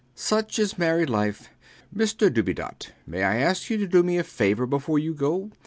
Such is married life! Mr Dubedat: may I ask you to do me a favor before you go.